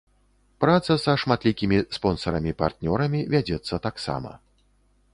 Праца са шматлікімі спонсарамі-партнёрамі вядзецца таксама.